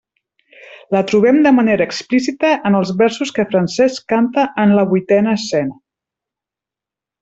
La trobem de manera explícita en els versos que Francesc canta en la vuitena escena.